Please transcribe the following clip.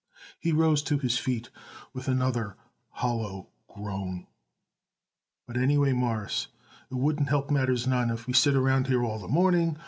He rose to his feet with another hollow groan. "But, anyway, Mawruss, it won't help matters none if we sit around here all the morning.